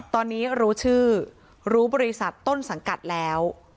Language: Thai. ตอนนี้รู้ชื่อรู้บริษัทต้นสังกัดแล้ว